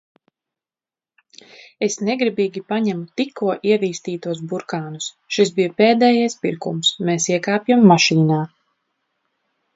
Es negribīgi paņemu tikko ievīstītos burkānus. Šis bija pēdējais pirkums. Mēs iekāpjam mašīnā.